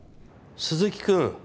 鈴木くん